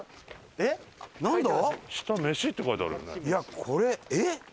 いやこれえっ？